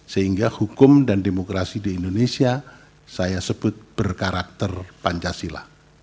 sehingga hukum dan demokrasi di indonesia saya sebut berkarakter pancasila